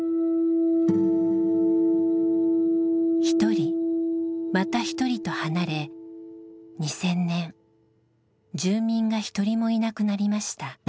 一人また一人と離れ２０００年住民が一人もいなくなりました。